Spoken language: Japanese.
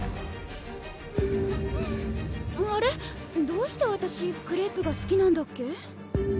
どうしてわたしクレープがすきなんだっけ？